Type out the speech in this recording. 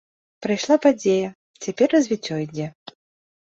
Прайшла падзея, цяпер развіццё ідзе.